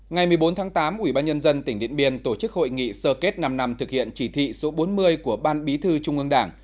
ngày một mươi bốn tháng tám ủy ban nhân dân tỉnh điện biên tổ chức hội nghị sơ kết năm năm thực hiện chỉ thị số bốn mươi của ban bí thư trung ương đảng